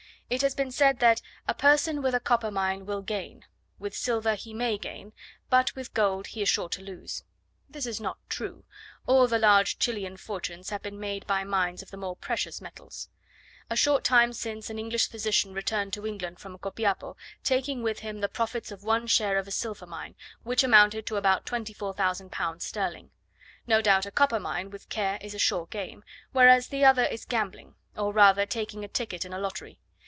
It has been said that "a person with a copper mine will gain; with silver he may gain; but with gold he is sure to lose." This is not true: all the large Chilian fortunes have been made by mines of the more precious metals. A short time since an English physician returned to England from Copiapo, taking with him the profits of one share of a silver mine, which amounted to about 24,000 pounds sterling. No doubt a copper mine with care is a sure game, whereas the other is gambling, or rather taking a ticket in a lottery.